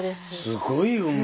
すごい運命。